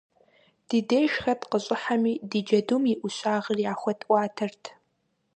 Ди деж хэт къыщӏыхьэми, ди джэдум и ӏущагъыр яхуэтӏуатэрт.